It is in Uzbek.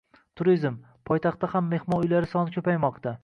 Turizm: Poytaxtda ham mehmon uylari soni koʻpaymoqda